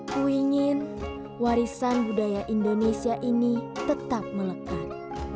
kuingin warisan budaya indonesia ini tetap melekat